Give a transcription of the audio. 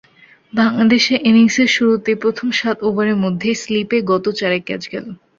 বাংলাদেশের ইনিংসের শুরুতেই, প্রথম সাত ওভারের মধ্যেই স্লিপে গোটা চারেক ক্যাচ গেল।